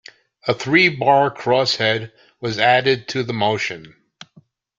A three bar crosshead was added to the motion.